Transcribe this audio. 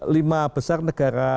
lima besar negara